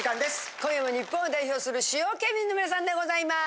今夜も日本を代表する主要県民の皆さんでございます。